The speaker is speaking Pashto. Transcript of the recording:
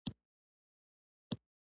ټول یو هیواد لري